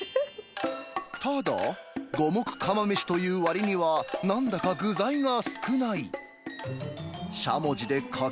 ただ、五目釜めしというわりには、なんだか具材が少ない。